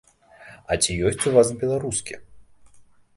А ці ёсць у вас беларускі?